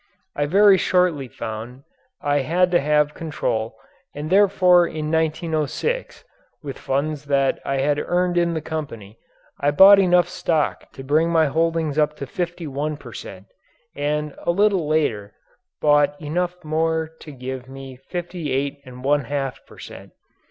I very shortly found I had to have control and therefore in 1906, with funds that I had earned in the company, I bought enough stock to bring my holdings up to 51 per cent, and a little later bought enough more to give me 58 1/2 per cent.